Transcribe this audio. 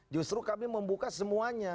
justru kami membuka semuanya